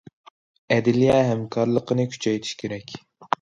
ئەدلىيە ھەمكارلىقىنى كۈچەيتىش كېرەك.